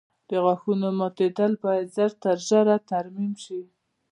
د غاښونو ماتېدل باید ژر تر ژره ترمیم شي.